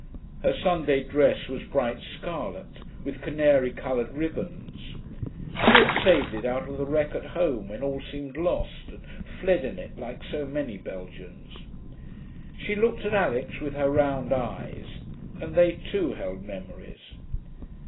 Her Sunday dress was bright scarlet, with canary coloured ribbons. She had saved it out of the wreck at home, when all seemed lost, and fled in it, like so many Belgians. She looked at Alix with her round eyes, and they too held memories.